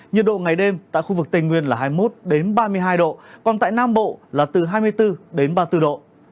nhiệt độ ngày đêm tại khu vực tây nguyên là hai mươi một ba mươi hai độ còn tại nam bộ là từ hai mươi bốn đến ba mươi bốn độ